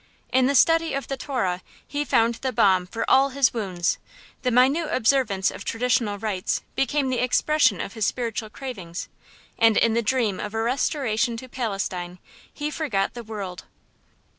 In the study of the Torah he found the balm for all his wounds; the minute observance of traditional rites became the expression of his spiritual cravings; and in the dream of a restoration to Palestine he forgot the world.